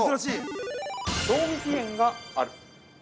◆賞味期限がある。